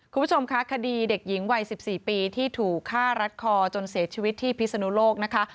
คุณผู้ชมคะคดีเด็กหญิงวัย๑๔ปีที่ถูกฆ่ารัดคอจนเสียชีวิตที่พิศนุโลกนะคะ